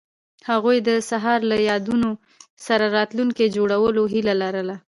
هغوی د سهار له یادونو سره راتلونکی جوړولو هیله لرله.